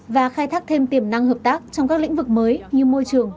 và khai thác thêm tiềm năng hợp tác trong các lĩnh vực mới như môi trường